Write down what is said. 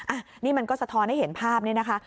อันนี้มันก็สะท้อนให้เห็นภาพนี่นะคะ